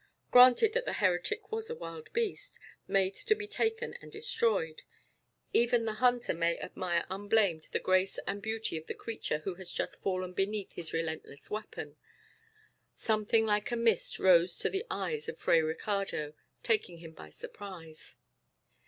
Granted that the heretic was a wild beast, "made to be taken and destroyed," even the hunter may admire unblamed the grace and beauty of the creature who has just fallen beneath his relentless weapon. Something like a mist rose to the eyes of Fray Ricardo, taking him by surprise.